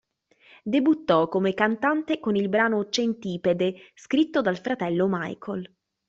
Debuttò come cantante con il brano "Centipede", scritto dal fratello Michael.